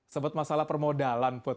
sebut masalah permodalan put